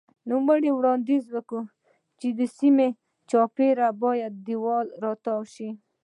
نوموړي وړاندیز وکړ چې د سیمې چاپېره باید دېوال راتاو شي.